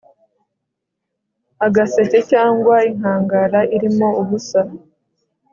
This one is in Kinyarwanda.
agaseke cyangwa inkangara irimo ubusa